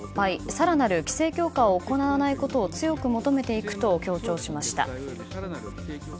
更なる規制強化を行わないことを強く求めていくと強調しました。